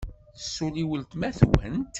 Tessulli weltma-twent?